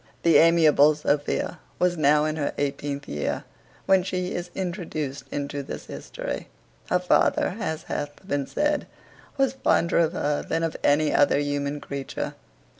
The amiable Sophia was now in her eighteenth year, when she is introduced into this history. Her father, as hath been said, was fonder of her than of any other human creature.